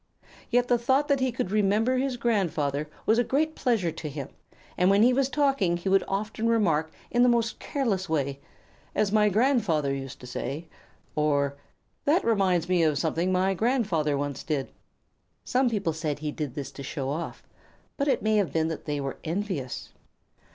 Yet the thought that he could remember his grandfather was a great pleasure to him, and when he was talking he would often remark in the most careless way, "as my grandfather used to say"; or, "That reminds me of something my grandfather once did." Some people said that he did this to show off; but it may be that they were envious.